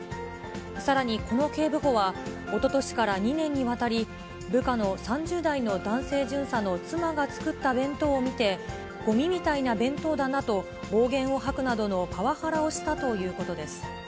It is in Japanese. さらにこの警部補は、おととしから２年にわたり、部下の３０代の男性巡査の妻が作った弁当を見て、ごみみたいな弁当だなと暴言を吐くなどのパワハラをしたということです。